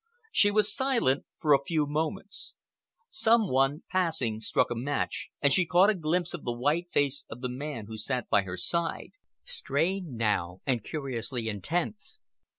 She was silent for a few moments. Some one passing struck a match, and she caught a glimpse of the white face of the man who sat by her side—strained now and curiously intense.